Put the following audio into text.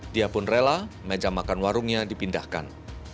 dia pun rela meja makan warungnya dipindahkan